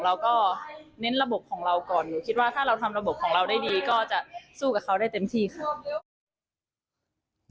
เราก็เน้นระบบของเราก่อนหนูคิดว่าถ้าเราทำระบบของเราได้ดีก็จะสู้กับเขาได้เต็มที่ค่ะ